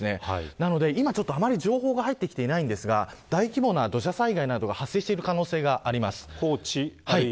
なので今、情報があまり入ってきてませんが大規模な土砂災害が発生している可能性があります。